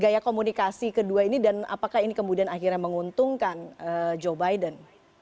gaya komunikasi kedua ini dan apakah ini kemudian akhirnya menguntungkan joe biden